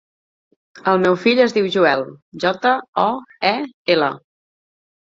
El meu fill es diu Joel: jota, o, e, ela.